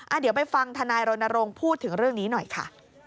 เดี๋ยวไปฟังธนายรณรงค์พูดถึงเรื่องนี้หน่อยค่ะ